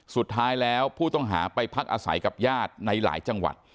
สุดท้ายแล้วผู้ต้องหาไปพักอาศัยกับญาติในหลายจังหวัด